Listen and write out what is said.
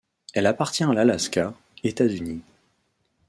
Elle appartient à l'Alaska, États-Unis.